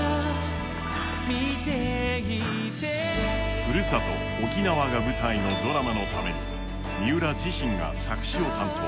ふるさと、沖縄が舞台のドラマのために三浦自身が作詩を担当。